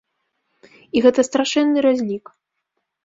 І гэта страшэнны разлік.